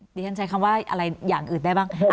ดิฉันใช้คำว่าอะไรอย่างอื่นได้บ้าง